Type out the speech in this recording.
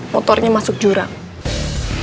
motornya masuk jurang